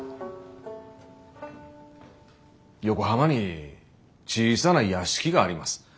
横浜に小さな屋敷があります。